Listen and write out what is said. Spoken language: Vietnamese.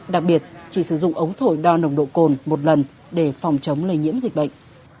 đặc biệt chỉ sử dụng ống thổi đo nồng độ cồn một lần để phòng chống lây nhiễm dịch bệnh